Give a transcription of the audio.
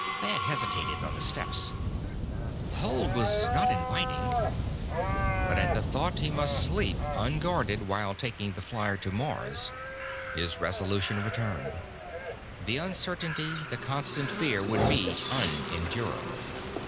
Thad hesitated on the steps. The hold was not inviting. But at the thought that he must sleep, unguarded, while taking the flier to Mars, his resolution returned. The uncertainty, the constant fear, would be unendurable.